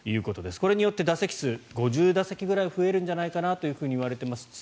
これによって打席数が５０打席ぐらい増えるのではといわれています。